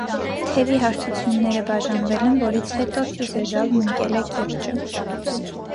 Թևի հարթությունները բաժանվել են, որից հետո ֆյուզելաժն ընկել է կիրճը։